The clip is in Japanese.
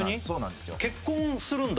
そうなんですよ